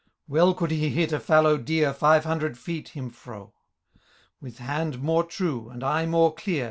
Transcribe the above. Well could he hit a fallow deer Five hundred feet him fro ; With hand more true, and eye jsasn clear.